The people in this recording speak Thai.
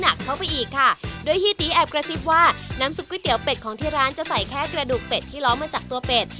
เข้าไปอีกค่ะโดยเฮียตีแอบกระซิบว่าน้ำซุปก๋วเป็ดของที่ร้านจะใส่แค่กระดูกเป็ดที่ล้อมาจากตัวเป็ด